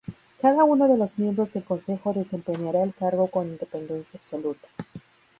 Cada uno de los miembros del Consejo desempeñará el cargo con independencia absoluta.